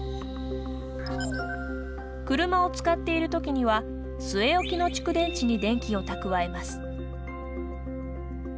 車を使っている時には据え置きの蓄電池に電気を蓄えます。